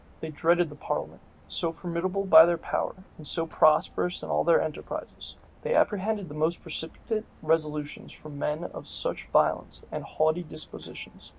They dreaded the parliament, so formidable by their power, and so prosperous in all their enterprises. They apprehended the most precipitate resolutions from men of such violent and haughty dispositions.